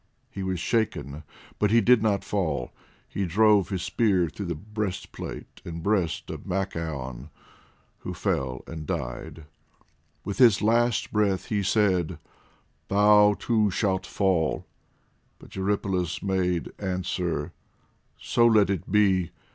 He was shaken, but he did not fall, he drove his spear through breastplate and breast of Machaon, who fell and died. With his last breath he said, "Thou, too, shalt fall," but Eurypylus made answer, "So let it be!